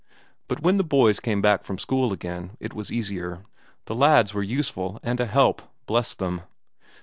But when the boys came back from school again it was easier; the lads were useful and a help, bless them!